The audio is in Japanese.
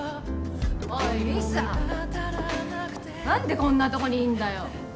何でこんなとこにいんだよ！